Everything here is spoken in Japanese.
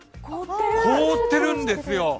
凍ってるんですよ。